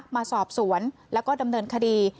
มาสอบสวนแล้วก็ดำเนินคดี